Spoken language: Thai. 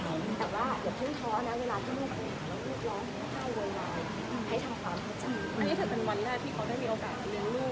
เพียรต้องปกดคนหน่อย